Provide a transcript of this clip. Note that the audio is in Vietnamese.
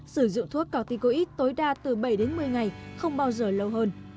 sử dụng thuốc corticoid tối đa từ bảy đến một mươi ngày không bao giờ lâu hơn